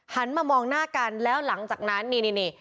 หันมามองหน้ากันแล้วหลังจากนั้นนี่นี่